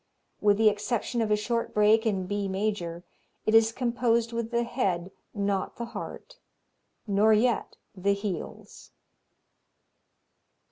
With the exception of a short break in B major, it is composed with the head, not the heart, nor yet the heels.